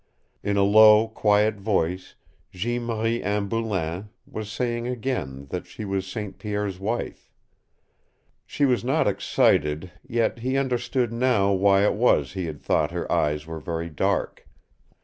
In a low, quiet voice Jeanne Marie Anne Boulain was saying again that she was St. Pierre's wife. She was not excited, yet he understood now why it was he had thought her eyes were very dark.